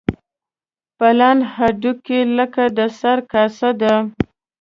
پلن هډوکي لکه د سر کاسه ده.